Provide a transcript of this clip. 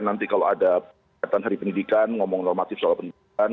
nanti kalau ada kata hari pendidikan ngomong normatif soal pendidikan